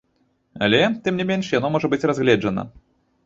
Але, тым не менш, яно можа быць разгледжана.